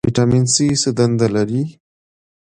ویټامین سي څه دنده لري؟